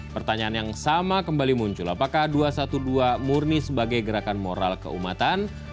pertanyaan yang sama kembali muncul apakah dua ratus dua belas murni sebagai gerakan moral keumatan